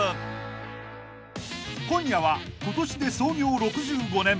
［今夜は今年で創業６５年］